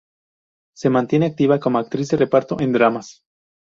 Se mantiene activa como actriz de reparto en dramas.